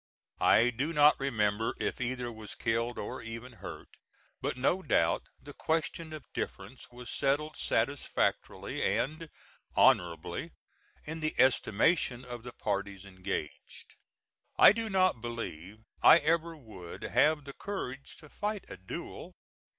I do not remember if either was killed, or even hurt, but no doubt the question of difference was settled satisfactorily, and "honorably," in the estimation of the parties engaged. I do not believe I ever would have the courage to fight a duel.